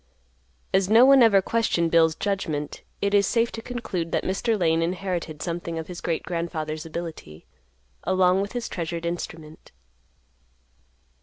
As no one ever questioned Bill's judgment, it is safe to conclude that Mr. Lane inherited something of his great grandfather's ability; along with his treasured instrument.